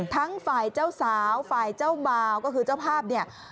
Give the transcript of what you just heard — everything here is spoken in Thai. ทั้งฝ่ายเจ้าสาวฝ่ายเจ้าบ่าวก็คือเจ้าภาพเนี่ย